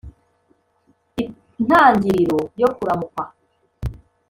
intangiriro yo kuramukwa